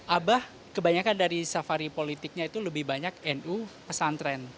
abah kebanyakan dari safari politiknya itu lebih banyak nu pesantren